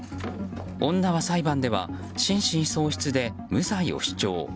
女は裁判では心神喪失で無罪を主張。